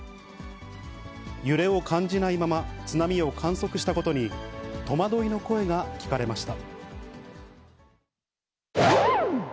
揺れを感じないまま津波を観測したことに、戸惑いの声が聞かれました。